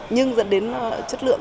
nhưng dẫn đến chất lượng